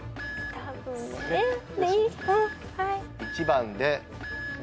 １番で。